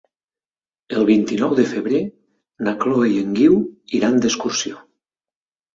El vint-i-nou de febrer na Chloé i en Guiu iran d'excursió.